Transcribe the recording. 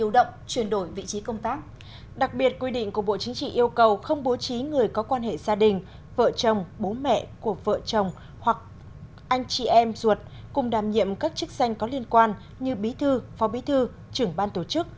đặc biệt quy định của bộ chính trị yêu cầu không bố trí người có quan hệ gia đình vợ chồng bố mẹ của vợ chồng hoặc anh chị em ruột cùng đàm nhiệm các chức danh có liên quan như bí thư phó bí thư trưởng ban tổ chức